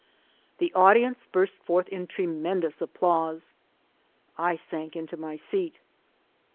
The au dience burst forth in tremendous applause. I sank into my seat.